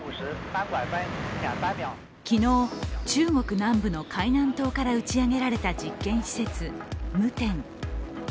昨日、中国南部の海南島から打ち上げられた実験施設、夢天。